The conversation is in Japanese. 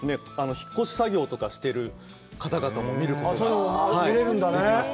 引っ越し作業とかしてる方々も見ることがそういうのも見れるんだね